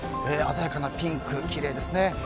鮮やかなピンク、きれいですね。